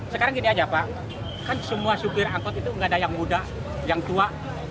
sekarang gini aja pak kan semua supir angkot itu nggak ada yang muda yang tua